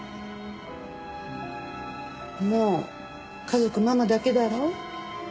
もう家族ママだけだろ？